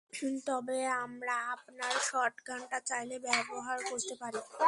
তবে, আমরা আপনার শটগানটা চাইলে ব্যবহার করতে পারি।